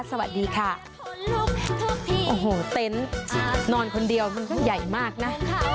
สวัสดีค่ะ